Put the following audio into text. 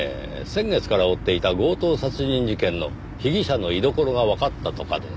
先月から追っていた強盗殺人事件の被疑者の居所がわかったとかで。